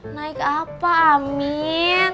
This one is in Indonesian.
naik apa amin